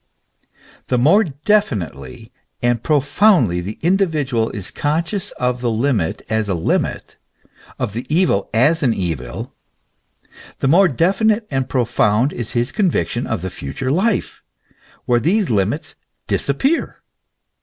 The more definitely and profoundly the indi vidual is conscious of the limit as a limit, of the evil as an evil, the more definite and profound is his conviction of the future life, where these limits disappear.